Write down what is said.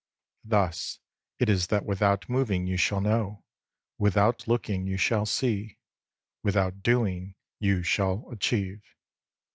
Thus it is that without moving you shall know ; without looking you shall see ; without doing you shall achieve.